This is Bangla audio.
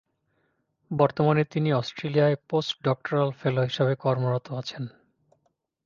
বর্তমানে তিনি অস্ট্রেলিয়ায় পোস্ট ডক্টরাল ফেলো হিসেবে কর্মরত আছেন।